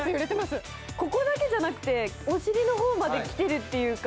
ここだけじゃなくて、おしりの方まで来てるというか。